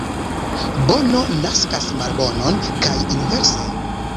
Bono naskas malbonon, kaj inverse.